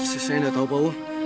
saya sudah tahu pawo